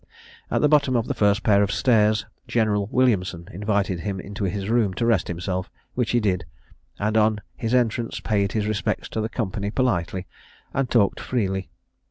At the bottom of the first pair of stairs, General Williamson invited him into his room to rest himself, which he did, and, on his entrance, paid his respects to the company politely, and talked freely.